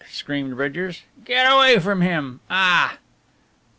screamed Bridgers, "get away from him ah!"